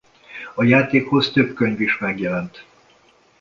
A játékhoz több könyv is megjelent.